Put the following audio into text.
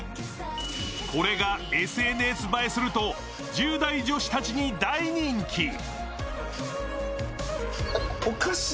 これがＳＮＳ映えすると１０代女子たちに大人気。